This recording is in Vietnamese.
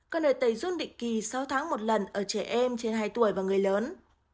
còn ở tây dung định kỳ sáu tháng một lần ở trẻ em trên hai tuổi và người lớn